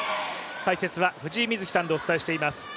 解説は藤井瑞希さんでお伝えしています。